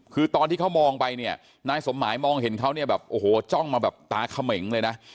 คือตอนที่เขามองไปเนี่ยนายสมหมายมองเห็นเขาเนี่ยแบบโอ้โหจ้องมาแบบตาเขม่งเลยนะ